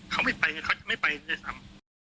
เขาไม่ไปไงเขาจะไม่ไปด้วยซ้ำ